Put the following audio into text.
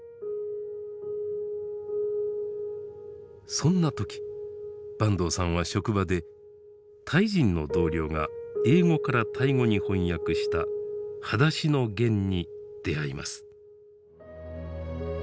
そんな時坂東さんは職場でタイ人の同僚が英語からタイ語に翻訳した「はだしのゲン」に出会います。